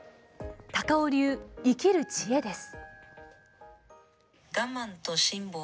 高尾流生きる知恵です。